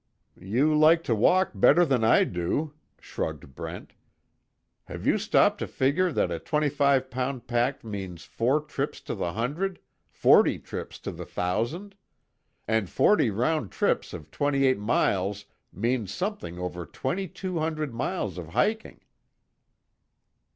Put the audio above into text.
"You like to walk better than I do," shrugged Brent, "Have you stopped to figure that a twenty five pound pack means four trips to the hundred forty trips for the thousand? And forty round trips of twenty eight miles means something over twenty two hundred miles of hiking."